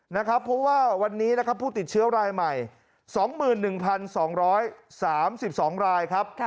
เพราะว่าวันนี้นะครับผู้ติดเชื้อรายใหม่๒๑๒๓๒รายครับ